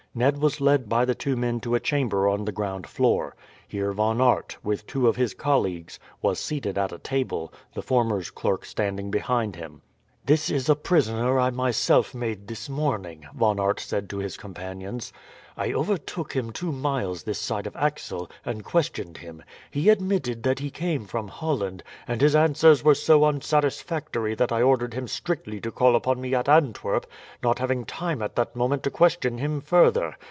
Ned was led by the two men to a chamber on the ground floor. Here Von Aert, with two of his colleagues, was seated at a table, the former's clerk standing behind him. "This is a prisoner I myself made this morning," Von Aert said to his companions. "I overtook him two miles this side of Axel, and questioned him. He admitted that he came from Holland; and his answers were so unsatisfactory that I ordered him strictly to call upon me at Antwerp, not having time at that moment to question him further.